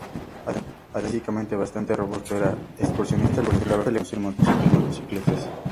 Además, era físicamente bastante robusto, era excursionista y le gustaba conducir motocicletas.